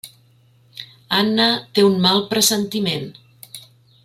Anna té un mal pressentiment.